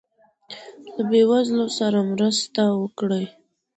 له بې وزلو سره مرسته وکړئ.